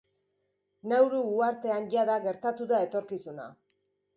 Nauru uhartean jada gertatu da etorkizuna.